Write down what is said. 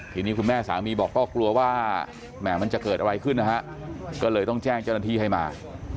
ทีนี้คุณแม่สามีบอกก็กลัวว่าแหม่มันจะเกิดอะไรขึ้นนะฮะก็เลยต้องแจ้งเจ้าหน้าที่ให้มา